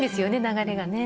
流れがね。